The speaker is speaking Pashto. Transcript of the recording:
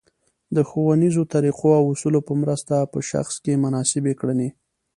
د ښونیزو طریقو او اصولو په مرسته په شخص کې مناسبې کړنې